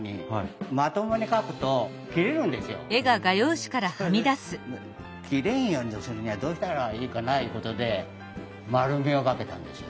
それで切れんようにするにはどうしたらいいかないうことで円みをかけたんですよ。